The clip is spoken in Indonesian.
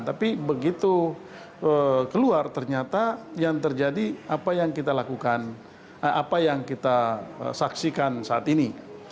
tapi begitu keluar ternyata yang terjadi apa yang kita lakukan apa yang kita saksikan saat ini